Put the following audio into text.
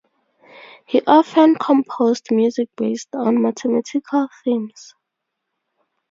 He often composed music based on mathematical themes.